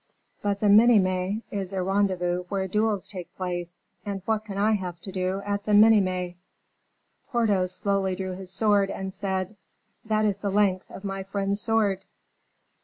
"But the Minimes is a rendezvous where duels take place, and what can I have to do at the Minimes?" Porthos slowly drew his sword, and said: "That is the length of my friend's sword."